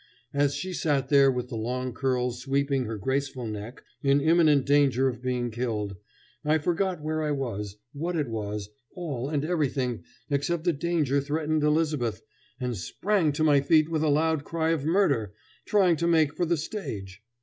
As she sat there with the long curls sweeping her graceful neck, in imminent danger of being killed, I forgot where I was, what it was, all and everything except that danger threatened Elizabeth, and sprang to my feet with a loud cry of murder, trying to make for the stage.